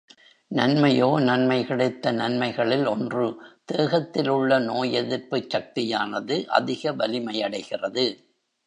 நன்மையோ நன்மை கிடைத்த நன்மைகளில் ஒன்று, தேகத்தில் உள்ள நோய் எதிர்ப்புச் சக்தியானது அதிக வலிமையடைகிறது.